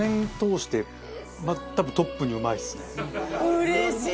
うれしい！